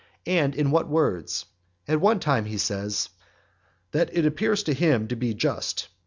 And in what words? At one time he says, "that it appears to him to be just